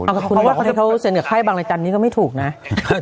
เอาคุณคุณค่ะเขาเชื่อว่าเขาเชื่อว่าเขาเชื่อว่าเขาเชื่อว่าเขาเชื่อ